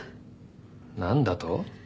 何だと？